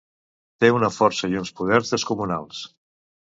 Té una força i uns poders descomunals.